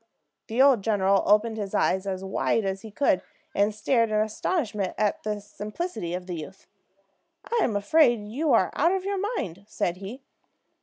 The old general opened his eyes as wide as he could, and stared in astonishment at the simplicity of the youth. "I'm afraid you are out of your mind," said he.